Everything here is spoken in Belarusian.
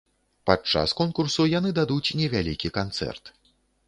Падчас конкурсу яны дадуць невялікі канцэрт.